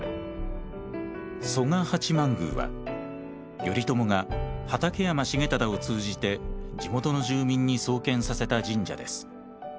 曽我八幡宮は頼朝が畠山重忠を通じて地元の住民に創建させた神社です。